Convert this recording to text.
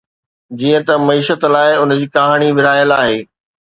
جيئن ته معيشت لاء، ان جي ڪهاڻي ورهايل آهي.